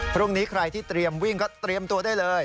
พรุ่งนี้ใครที่เตรียมวิ่งก็เตรียมตัวได้เลย